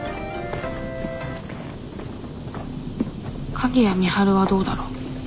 鍵谷美晴はどうだろう？